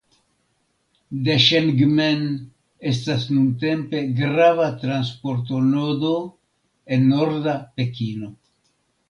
Deŝengmen estas nuntempe grava transportonodo en norda Pekino.